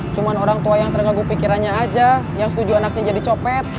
cuma orang tua yang terganggu pikirannya aja yang setuju anaknya jadi copet